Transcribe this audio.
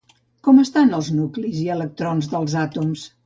Com estan els nuclis i electrons dels àtoms?